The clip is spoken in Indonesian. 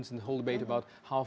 dan kesemua debat tentang